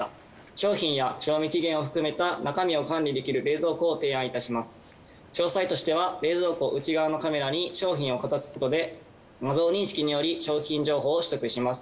商品や賞味期限を含めた中身を管理できる冷蔵庫を提案いたします詳細としては冷蔵庫内側のカメラに商品をかざすことで画像認識により商品情報を取得します。